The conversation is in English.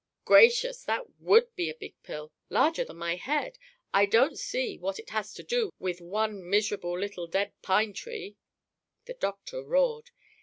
"Gracious! That would be a big pill larger than my head! I don't see what it has to do with one miserable little dead pine tree!" The doctor roared.